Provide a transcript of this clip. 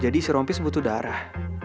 jadi si rompis butuh darah